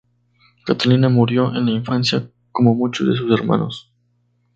Catalina murió en la infancia, como muchos de sus hermanos.